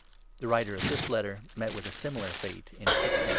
The writer of this Letter met with a similar fate in 63 A.D.